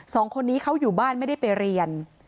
สองคนนี้เขาอยู่บ้านไม่ได้ไปเรียน